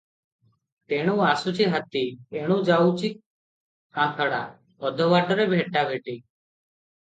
ତେଣୁ ଆସୁଛି ହାତୀ, ଏଣୁ ଯାଉଛି କାନ୍ଥଡ଼ା, ଅଧ ବାଟରେ ଭେଟାଭେଟି ।